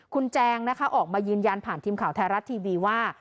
คุณแจงนะคะออกมายืนยันผ่านทีมข่าวไทยรัฐทีวีว่า